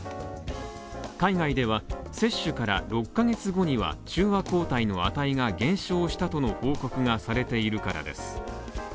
海外では接種から６ヶ月後には中和抗体の値が減少したとの報告がされているからです。